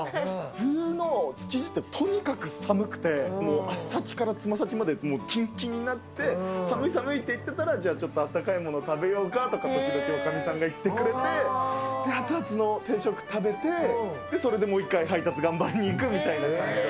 冬の築地ってとにかく寒くて、もう足先からつま先まで、もうきんきんになって、寒い、寒いって言ってたら、じゃあ、ちょっとあったかいもの食べようかとかって、時々おかみさんが言ってくれて、で、熱々の定食食べて、それでもう一回配達頑張りに行くみたいな感じで。